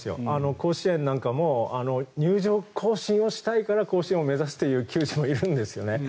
甲子園なんかも入場行進をしたいから甲子園を目指している選手もいるんですよね。